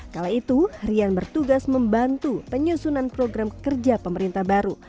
kala itu rian bertugas membantu penyusunan program kerja pemerintah baru